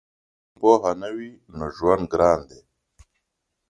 که پوهه نه وي نو ژوند ګران دی.